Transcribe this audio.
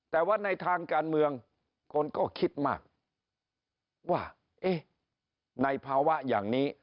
แต่ว่าในทางการเมืองคนก็คิดมากว่าเอ๊ะในภาวะอย่างนี้